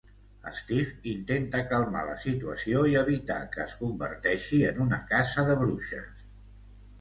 Steve intenta calmar la situació i evitar que es converteixi en una caça de bruixes.